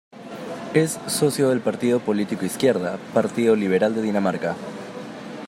Es socio del partido político Izquierda-Partido Liberal de Dinamarca.